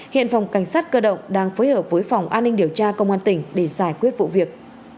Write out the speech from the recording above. hiện phòng cảnh sát cơ động đang phối hợp với phòng an ninh điều tra công an tỉnh để giải quyết vụ việc